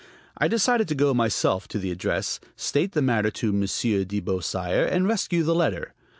I decided to go myself to the address, state the matter to Monsieur de Beausire, and rescue the letter.